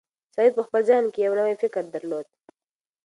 سعید په خپل ذهن کې یو نوی فکر درلود.